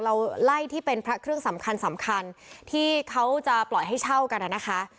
เราไล่ที่เป็นพระเครื่องสำคัญสำคัญที่เขาจะปล่อยให้เช่ากันนะคะ